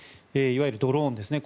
いわゆるドローンですね